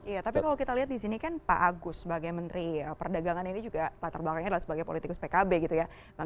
iya tapi kalau kita lihat di sini kan pak agus sebagai menteri perdagangan ini juga latar belakangnya adalah sebagai politikus pkb gitu ya